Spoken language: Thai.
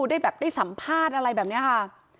ได้แบบได้สัมภาษณ์อะไรแบบนี้ค่ะ